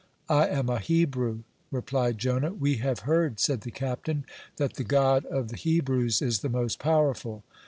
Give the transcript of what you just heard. "I am a Hebrew," replied Jonah. "We have heard," said the captain, "that the God of the Hebrews is the most powerful.